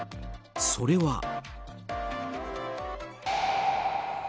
それは。